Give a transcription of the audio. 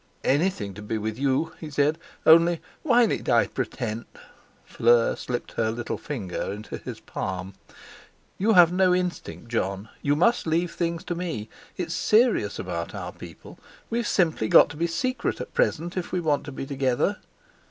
"Anything to be with you," he said; "only why need I pretend—" Fleur slipped her little finger into his palm: "You have no instinct, Jon; you must leave things to me. It's serious about our people. We've simply got to be secret at present, if we want to be together."